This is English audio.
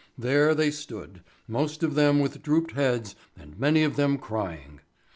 There they stood, most of them with drooped heads and many of them crying.